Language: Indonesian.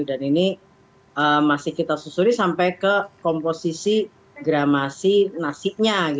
dan ini masih kita susuri sampai ke komposisi gramasi nasinya